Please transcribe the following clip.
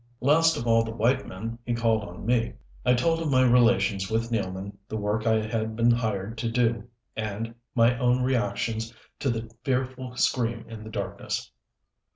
Last of all the white men, he called on me. I told of my relations with Nealman, the work I had been hired to do and, my own reactions to the fearful scream in the darkness.